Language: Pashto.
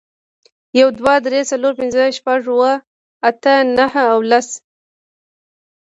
یو، دوه، درې، څلور، پینځه، شپږ، اووه، اته، نهه او لس